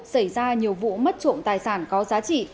xảy ra nhiều vụ mất trộm tài sản có giá trị